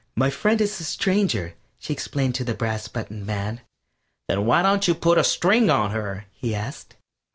"My friend is a stranger," she explained to the brass buttoned man. "Then why don't you put a string to her?" he asked.